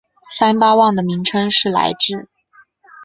三巴旺的名称是来至。